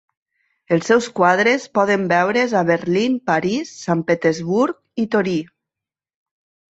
Els seus quadres poden veure's a Berlín, París, Sant Petersburg i Torí.